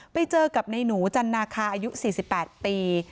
ไปเจอกับในหนูจันนาคาอายุ๔๘ปี